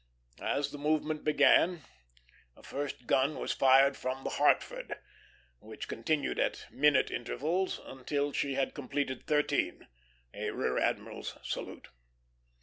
As the movement began, a first gun was fired from the Hartford, which continued at minute intervals until she had completed thirteen, a rear admiral's salute.